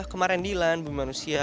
kemarin di ilan bumi manusia